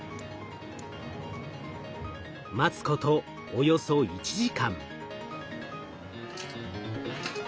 待つことおよそ１時間。